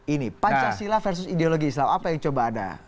ini pancasila versus ideologi islam apa yang coba anda